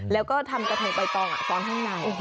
แล้วก็ทำกระทงใบตองตอนข้างใน